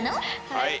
はい。